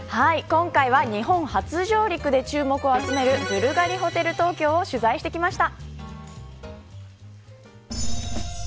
今回は日本初上陸で注目を集めるブルガリホテル東京を取材してきました。